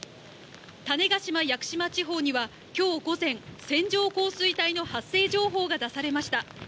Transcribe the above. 種子島・屋久島地方にはきょう午前、線状降水帯の発生情報が出されました。